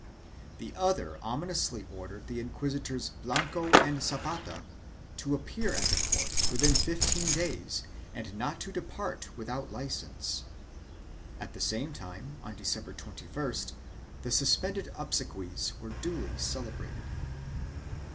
The other ominously ordered the inquisitors Blanco and Zapata to appear at the court within fifteen days and not to depart without licence. At the same time, on December 21st the suspended obsequies were duly celebrated.